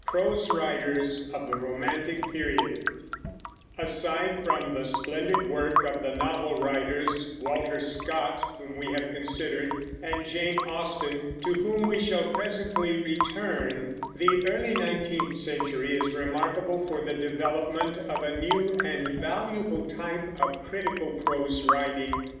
PROSE WRITERS OF THE ROMANTIC PERIOD Aside from the splendid work of the novel writers Walter Scott, whom we have considered, and Jane Austen, to whom we shall presently return the early nineteenth century is remarkable for the development of a new and valuable type of critical prose writing.